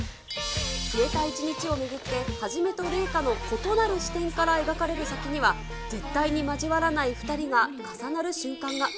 消えた１日を巡って、一と麗華の異なる視点から描かれる先には、絶対に交わらない２人が重なる瞬間が。